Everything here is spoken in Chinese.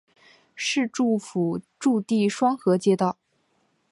市政府驻地双河街道。